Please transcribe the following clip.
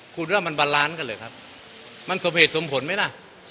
คุณว่ามันบาลานซ์กันเหรอครับมันสมเหตุสมผลไหมล่ะ